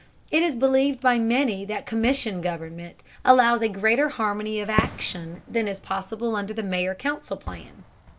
It is believed by many that commission government allows a greater harmony of action than is possible under the mayor council plan.